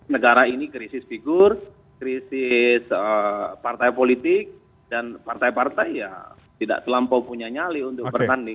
negara ini krisis figur krisis partai politik dan partai partai ya tidak terlampau punya nyali untuk bertanding